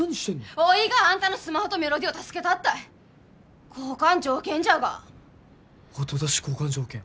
おいがアンタのスマホとメロディーを助けたったい交換条件じゃが後出し交換条件